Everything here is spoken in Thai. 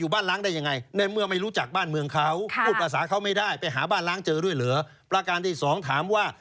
ยังงี้เจตนาไม่เจตนา